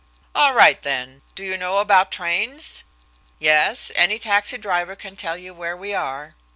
All right, then. Do you know about trains? Yes, any taxi driver can tell you where we are.